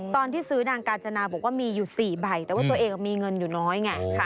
ตอนที่ซื้อนางกาญจนาบอกว่ามีอยู่๔ใบแต่ว่าตัวเองมีเงินอยู่น้อยไง